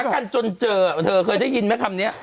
หากันจนเจออะเธอเคยได้ยินมั้ยคำเนี้ย